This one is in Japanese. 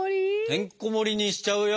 てんこもりにしちゃうよ